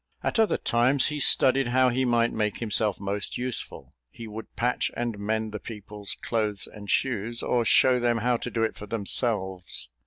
At other times, he studied how he might make himself most useful. He would patch and mend the people's clothes and shoes, or show them how to do it for themselves.